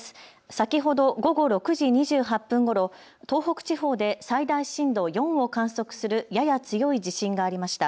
先ほど午後６時２８分ごろ東北地方で最大震度４を観測するやや強い地震がありました。